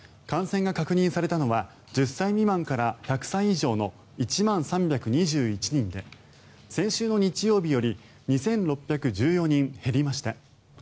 感染が確認されたのは１０歳未満から１００歳以上の１万３２１人で先週の日曜日より２６１４人減りました。